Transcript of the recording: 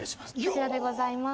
こちらでございます。